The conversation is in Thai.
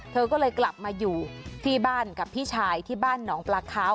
เธอก็เลยกลับมาอยู่ที่บ้านกับพี่ชายที่บ้านหนองปลาคาว